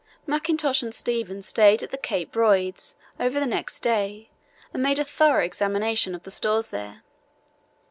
Mackintosh and Stevens stayed at the Cape Royds hut over the next day and made a thorough examination of the stores there.